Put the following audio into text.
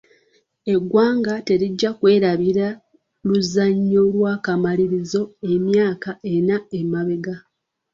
Eggwanga terijja kwerabira luzannya lw'akamalirizo emyaka ena emabega.